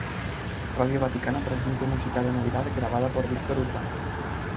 Radio Vaticana transmite música de Navidad grabada por Víctor Urban.